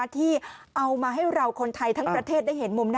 ที่เอามาให้เราคนไทยทั้งประเทศได้เห็นมุมหน้า